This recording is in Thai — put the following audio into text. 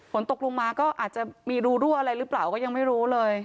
ฝนตกลงมาก็อาจจะมีรูรั่วอะไรหรือเปล่าก็ยังไม่รู้เลย